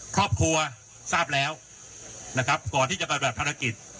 ครอบครัวทราบแล้วก่อนที่จะการปฏิบัติภารกิจ